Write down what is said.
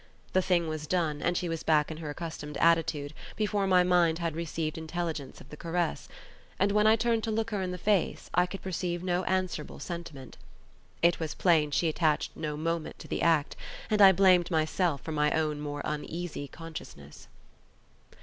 The thing was done, and she was back in her accustomed attitude, before my mind had received intelligence of the caress; and when I turned to look her in the face I could perceive no answerable sentiment. It was plain she attached no moment to the act, and I blamed myself for my own more uneasy consciousness.